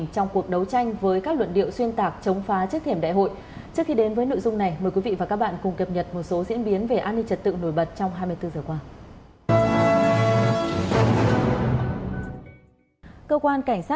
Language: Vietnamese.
trong quá trình điều tra công an huyện tạm giam một mươi hai bị can